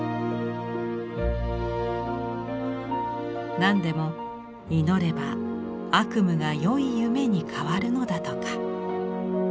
なんでも祈れば悪夢が良い夢に変わるのだとか。